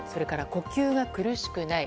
呼吸が苦しくない。